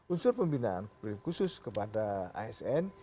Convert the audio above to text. unsur pembinaan khusus kepada asn